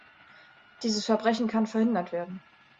Dieses Verbrechen kann verhindert werden.